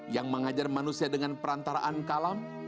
yang mengajar manusia dengan perantaraan kalam